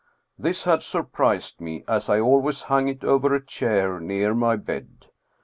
This had surprised me, as I always hung it over a chair near my bed.